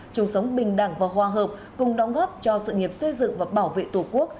chung sống bình đẳng và hòa hợp cùng đóng góp cho sự nghiệp xây dựng và bảo vệ tổ quốc